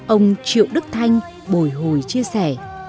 ông triệu đức thanh bồi hồi chia sẻ